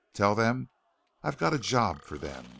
Tell them I've got a job for them.